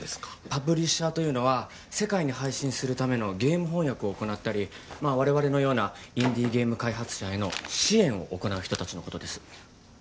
パブリッシャーというのは世界に配信するためのゲーム翻訳を行ったりまあ我々のようなインディーゲーム開発者への支援を行う人達のことです